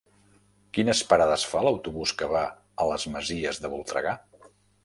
Quines parades fa l'autobús que va a les Masies de Voltregà?